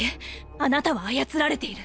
あなたは操られている。